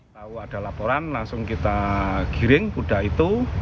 tahu ada laporan langsung kita giring kuda itu